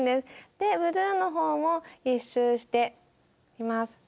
でブルーのほうも１周しています。